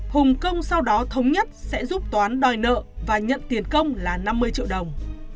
hùng công sau đó thống nhất sẽ giúp toán đòi nợ và nhận tiền công là năm mươi triệu đồng